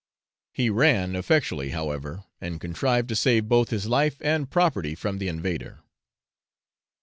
He ran effectually, however, and contrived to save both his life and property from the invader.